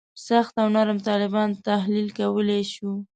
سخت او نرم طالبان تحلیل کولای شو.